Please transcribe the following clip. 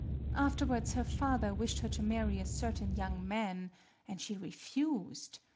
Afterwards her father wished her to marry a certain young man; and she refused.